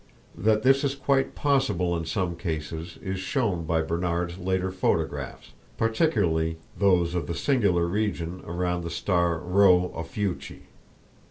That this is quite possible in some cases is shown by Barnard's later photographs, particularly those of the singular region around the star Rho Ophiuchi.